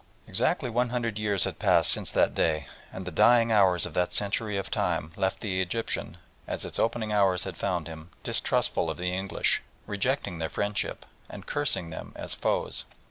Exactly one hundred years had passed since that day, and the dying hours of that century of time left the Egyptian, as its opening hours had found him, distrustful of the English, rejecting their friendship, and cursing them as foes.